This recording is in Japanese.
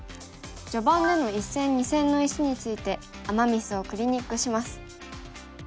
序盤での一線二線の石についてアマ・ミスをクリニックします。